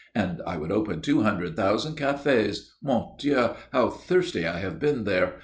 and I would open two hundred thousand cafés mon Dieu! how thirsty I have been there!